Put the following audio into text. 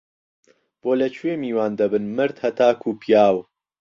بۆ له کوێ میوان دهبن مهرد هه تاکو پیاو